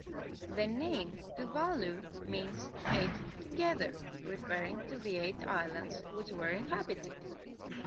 The name "Tuvalu" means "eight together", referring to the eight islands which were inhabited.